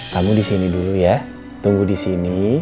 kamu di sini dulu ya tunggu di sini